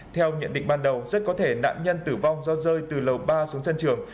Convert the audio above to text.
theo nhận định ban đầu rất có thể nạn nhân tử vong do rơi từ lầu ba xuống sân trường